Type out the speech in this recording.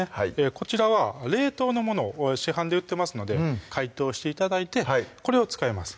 こちらは冷凍のものを市販で売ってますので解凍して頂いてこれを使います